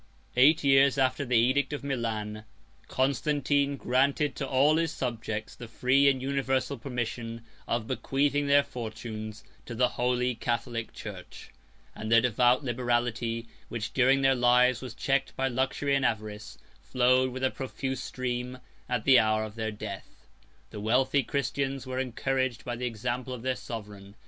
Eight years after the edict of Milan, Constantine granted to all his subjects the free and universal permission of bequeathing their fortunes to the holy Catholic church; 102 and their devout liberality, which during their lives was checked by luxury or avarice, flowed with a profuse stream at the hour of their death. The wealthy Christians were encouraged by the example of their sovereign.